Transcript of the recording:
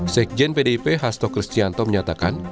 sekjen pdip hasto kristianto menyatakan